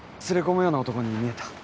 連れ込むような男に見えた？